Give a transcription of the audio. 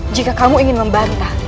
jika kamu ingin membantah